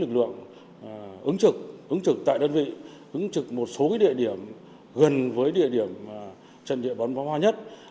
trung đoàn ứng trực ứng trực tại đơn vị ứng trực một số địa điểm gần với địa điểm trận địa bàn phá hoa nhất